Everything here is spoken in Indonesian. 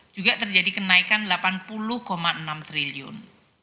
juga terjadi kenaikan rp delapan puluh enam triliun